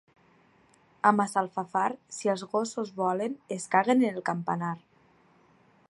A Massalfassar, si els gossos volen, es caguen en el campanar.